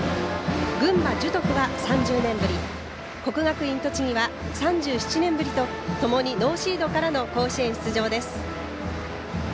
群馬・樹徳は３０年ぶり国学院栃木は３７年ぶりとともにノーシードからの甲子園出場です。